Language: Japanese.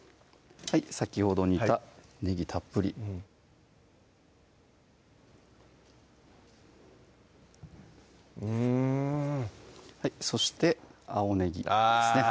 先ほど煮たねぎたっぷりうんそして青ねぎですね